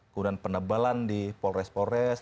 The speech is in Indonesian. kemudian penebalan di polres polres